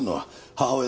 母親？